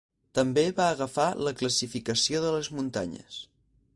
També va agafar la classificació de les muntanyes.